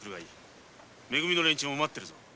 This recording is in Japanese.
め組の連中も待ってるぞ。